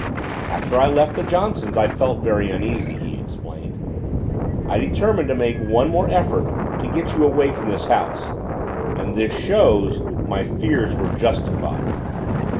"After I left the Johnsons' I felt very uneasy," he explained. "I determined to make one more effort to get you away from this house. As this shows my fears were justified!"